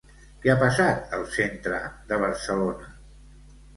Què ha passat al centre de Barcelona?